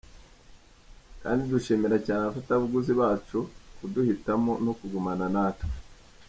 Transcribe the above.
Kandi dushimira cyane abafatabuguzi bacu kuduhitamo no kugumana natwe.